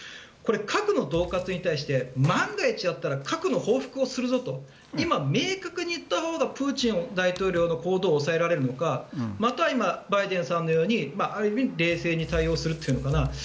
これ、核の恫喝に対して万が一だったら核の報復をするぞと今、明確に言ったほうがプーチン大統領の行動を抑えられるのかまたは今、バイデンさんのようにある意味、冷静に対応するというのかな